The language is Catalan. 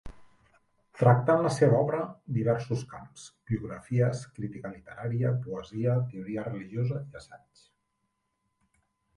Tractà en la seva obra diversos camps: biografies, crítica literària, poesia, teoria religiosa, i assaigs.